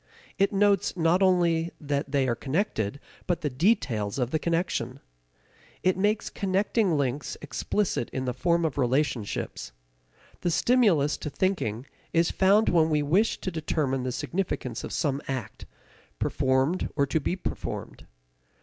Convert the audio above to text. It notes not only that they are connected, but the details of the connection. It makes connecting links explicit in the form of relationships. The stimulus to thinking is found when we wish to determine the significance of some act, performed or to be performed.